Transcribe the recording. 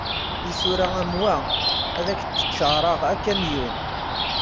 Isura am wa, ad ak-d-ččareɣ akamyun.